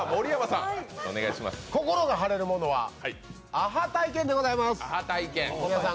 心が晴れるものはアハ体験です。